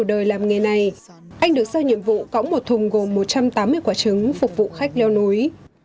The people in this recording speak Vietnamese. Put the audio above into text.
trong đời làm nghề này anh được giao nhiệm vụ cõng một thùng gồm một trăm tám mươi quả trứng phục vụ khách leo núi